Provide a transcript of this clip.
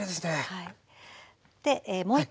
はい。